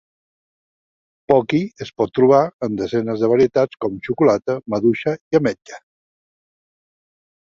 Pocky es pot trobar en desenes de varietats com xocolata, maduixa i ametlla.